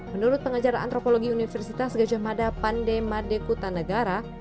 menurut pengajar antropologi universitas gejah mada pandemadekutanegara